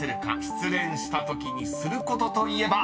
失恋したときにすることといえば？